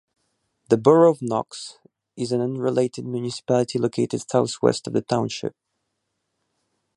The borough of Knox is an unrelated municipality located southwest of the township.